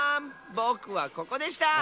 ぼくはここでした！